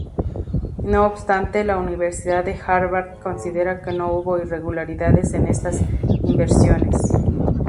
No obstante, la Universidad de Harvard considera que no hubo irregularidades en estas inversiones.